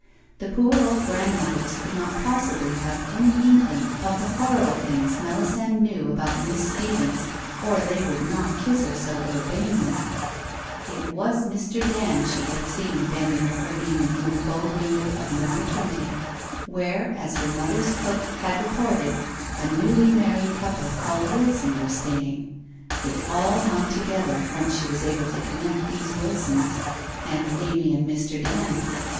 The poor old grandmothers could not possibly have any inkling of the horrible things Melisande knew about Miss Stephens or they would not kiss her so urbanely. It was Mr. Dand she had seen bending over Amy in the bow window of No. 20, where, as her mother's cook WHITE ROSE OF WEARY LEAF 339 had reported, a newly married couple called Wilson were staving. It all hung together, once she was able to con nect these Wilsons and Amy and Mr. Dand.